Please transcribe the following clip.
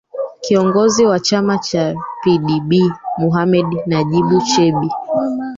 kiongozi wa chama cha pdb mohamed najib chebi